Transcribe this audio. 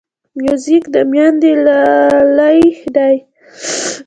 موزیک د میندې لالې دی.